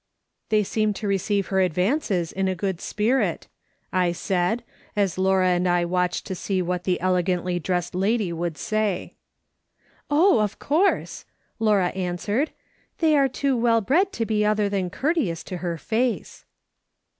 " TiiEY seem to receive her advances in a good spirit," I said, as Laura and I watched to see what the elegantly dressed lady would say. " Oh, of course/' Laura answered, " they are too well bred to be other thau courteous to her face."